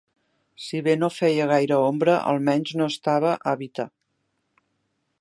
Si bé no feia gaire ombra, al menys no estava habita